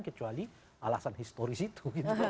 kecuali alasan historis itu